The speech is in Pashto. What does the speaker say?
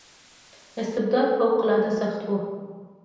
استبداد فوق العاده سخت و.